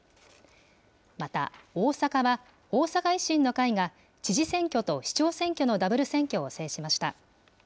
また大阪は、大阪維新の会が知事選挙と市長選挙のダブル選挙を制しました。